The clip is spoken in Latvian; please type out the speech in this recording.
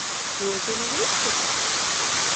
To zina visi!